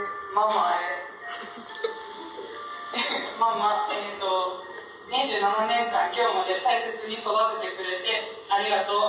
ママ２７年間今日まで大切に育ててくれてありがとう。